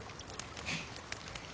フッ。